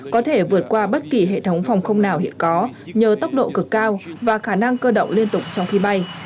có thể vượt qua bất kỳ hệ thống phòng không nào hiện có nhờ tốc độ cực cao và khả năng cơ động liên tục trong khi bay